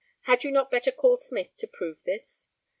Had you not better call Smith to prove this?